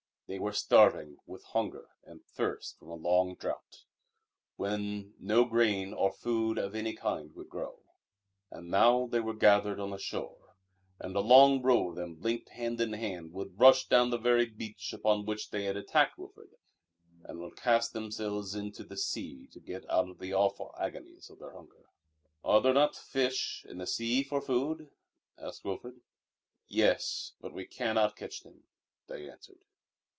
They were starving with hunger and thirst from a long drought, when no grain or food of any kind would grow. And now they were gathered on the shore, and a long row of them linked hand in hand would rush down the very beach upon which they had attacked Wilfrid, and would cast themselves into the sea to get out of the awful agonies of their hunger. "Are there not fish in the sea for food?" asked Wilfrid. "Yes, but we cannot catch them," they answered.